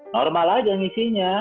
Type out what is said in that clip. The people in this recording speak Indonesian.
normal aja isinya